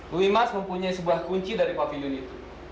bu imas mempunyai sebuah kunci dari pavilion itu